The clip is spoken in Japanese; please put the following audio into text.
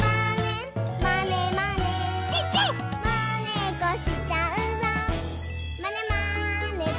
「まねっこしちゃうぞまねまねぽん！」